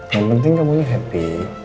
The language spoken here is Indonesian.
yang penting kamu juga happy